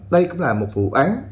đây cũng là một vụ án